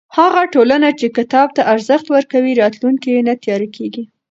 هغه ټولنه چې کتاب ته ارزښت ورکوي، راتلونکی یې نه تیاره کېږي.